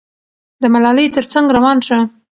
د ملالۍ تر څنګ روان شه.